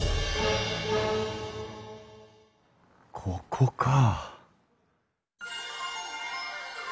ここか。